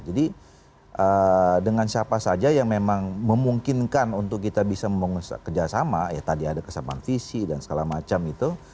jadi dengan siapa saja yang memang memungkinkan untuk kita bisa bekerja sama ya tadi ada kesempatan visi dan segala macam itu